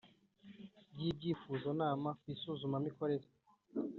Ry ibyifuzonama ku isuzumamikorere